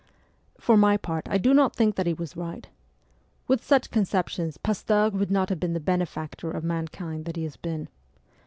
For my part I do not think that he was right. With such conceptions Pasteur would not have been the benefactor of mankind that he has been.